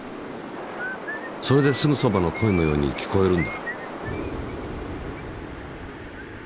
それですぐそばの声のように聞こえるんだ。